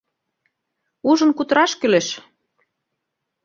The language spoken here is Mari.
— Ужын кутыраш кӱлеш.